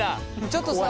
ちょっとさ